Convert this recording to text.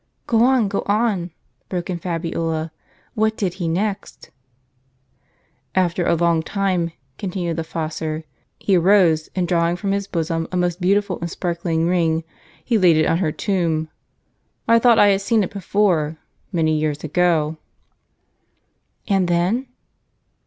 "Go on, go on," broke in Fabiola; "what did he next?" "After a long time," continued the fossor, "he arose, and drawing from his bosom a most beautiful and sparkling ring, he laid it on her tomb. I thought I had seen it before, many years ago." "And then?"